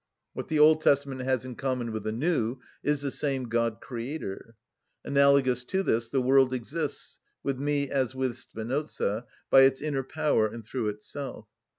What the Old Testament has in common with the New is the same God‐Creator. Analogous to this, the world exists, with me as with Spinoza, by its inner power and through itself.